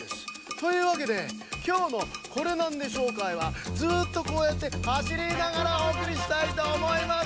というわけできょうの「コレナンデ商会」はずっとこうやってはしりながらおおくりしたいとおもいます。